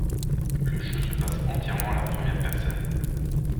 Le jeu se passe entièrement à la première personne.